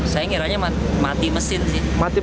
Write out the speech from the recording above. saya ngiranya mati mesin sih